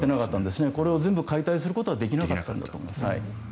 これを全部解体することはできなったんだと思います。